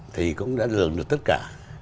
thì cũng đã lường được tất cả